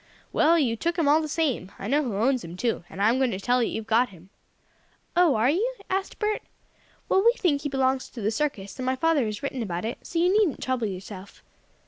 "Well, you took him all the same. I know who owns him, too; and I'm going to tell that you've got him." "Oh, are you?" asked Bert. "Well, we think he belongs to the circus, and my father has written about it, so you needn't trouble yourself."